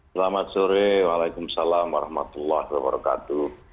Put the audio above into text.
selamat sore waalaikumsalam warahmatullahi wabarakatuh